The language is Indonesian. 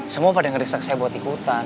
semua pada ngedesak saya buat ikutan